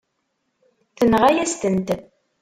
Tenɣa-yas-tent.